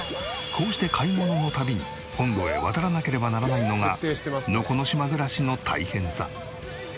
こうして買い物の度に本土へ渡らなければならないのが能古島暮らしの大変さ。